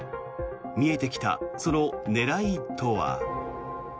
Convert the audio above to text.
見えてきたその狙いとは。